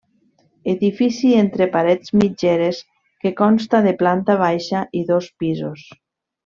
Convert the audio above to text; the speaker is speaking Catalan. Edifici entre parets mitgeres que consta de planta baixa i dos pisos.